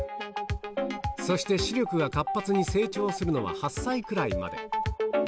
そして視力が活発に成長するのは８歳くらいまで。